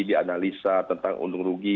dianalisa tentang untung rugi